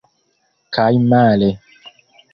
Kaj male.